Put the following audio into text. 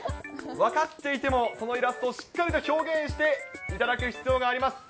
分かっていてもそのイラストをしっかりと表現していただく必要があります。